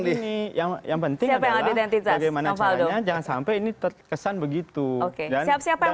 di yang penting adalah bagaimana caranya jangan sampai ini terkesan begitu oke dan siapa yang